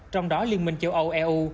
trong đó liên minh châu âu eu